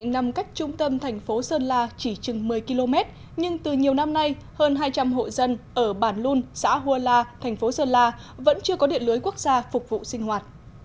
nằm cách trung tâm thành phố sơn la chỉ chừng một mươi km nhưng từ nhiều năm nay hơn hai trăm linh hộ dân ở bản luôn xã hùa la thành phố sơn la vẫn chưa có điện lưới quốc gia phục vụ sinh hoạt